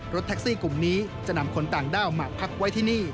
รถแท็กซี่กลุ่มนี้จะนำคนต่างด้าวมาพักไว้ที่นี่